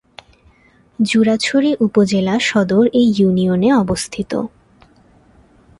জুরাছড়ি উপজেলা সদর এ ইউনিয়নে অবস্থিত।